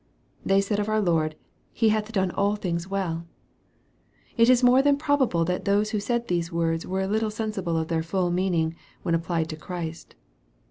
They said of our Lord, " He hath done all things well !" It is more than probable that those who said these words were little sensible of their full meaning, when applied to Christ.